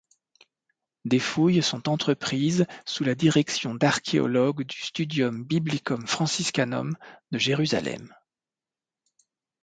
Des fouilles sont entreprises sous la direction d’archéologues du Studium Biblicum Franciscanum de Jérusalem.